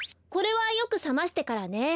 これはよくさましてからね。